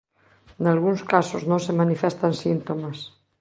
Nalgúns casos non se manifestan síntomas.